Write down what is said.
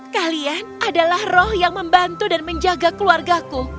kalian adalah roh yang membantu dan menjaga keluarga ku